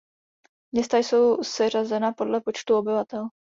Města jsou seřazena podle počtu obyvatel.